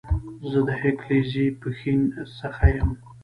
زه د هيکلزئ ، پښين سخه يم